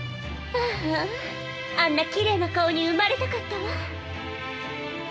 あああんなきれいな顔に生まれたかったわ。